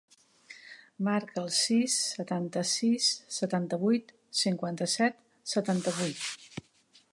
Marca el sis, setanta-sis, setanta-vuit, cinquanta-set, setanta-vuit.